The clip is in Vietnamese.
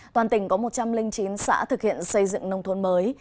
toàn tỉnh có một trăm linh chín xã thực hiện xây dựng nông thôn mới